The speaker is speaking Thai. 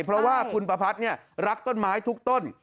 เพราะว่าคุณประพัทธ์รักต้นไม้ทุกต้น